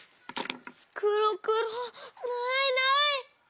くろくろないない！